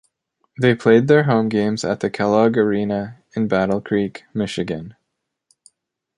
They played their home games at the Kellogg Arena in Battle Creek, Michigan.